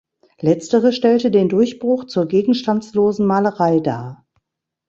Letztere stellte den Durchbruch zur gegenstandslosen Malerei dar.